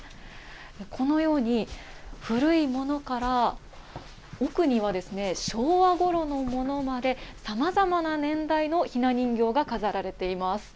このように、古いものから奥には昭和ごろのものまで、さまざまな年代のひな人形が飾られています。